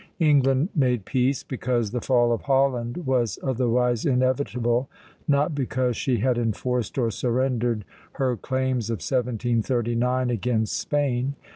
England made peace because the fall of Holland was otherwise inevitable, not because she had enforced, or surrendered, her claims of 1739 against Spain.